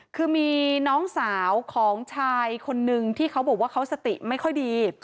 คือมีน้องสาวของชายคนนึงที่เขาบอกว่าเขาสติไม่ค่อยดี